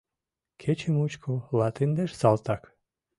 Кече мучко латиндеш салтак.